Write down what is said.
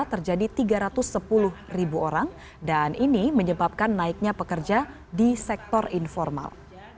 terjadi tiga ratus sepuluh ribu orang dan ini menyebabkan naiknya pekerja di sektor informal